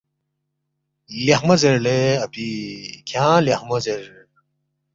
”لیخمو زیر لے اپی کھیانگ لیخمو زیر